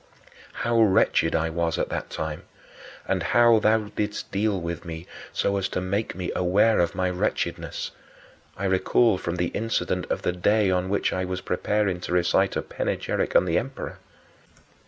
How wretched I was at that time, and how thou didst deal with me so as to make me aware of my wretchedness, I recall from the incident of the day on which I was preparing to recite a panegyric on the emperor.